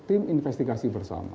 tim investigasi bersama